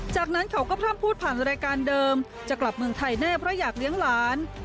จากนั้นเขาก็พร่ำพูดผ่านรายการเดิมจะกลับเมืองไทยแน่เพราะอยากเลี้ยงหลาน